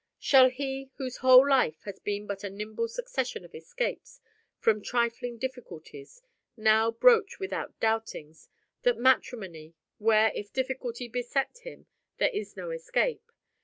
Shall he, whose whole life has been but a nimble succession of escapes from trifling difficulties, now broach without doubtings that matrimony, where if difficulty beset him there is no escape?